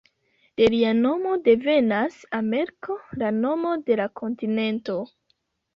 De lia nomo devenas Ameriko, la nomo de la kontinento.